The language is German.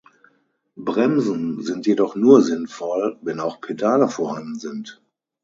Bremsen sind jedoch nur sinnvoll, wenn auch Pedale vorhanden sind.